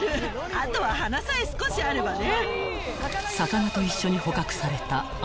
あとは鼻さえ少しあればね。